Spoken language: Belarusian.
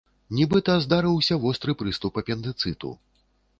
Нібыта, здарыўся востры прыступ апендыцыту.